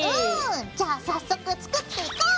じゃあ早速作っていこう！